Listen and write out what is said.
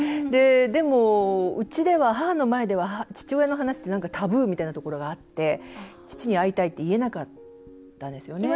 でも、うちでは母の前では父親の話ってなんかタブーみたいなところがあって父に会いたいって言えなかったんですよね。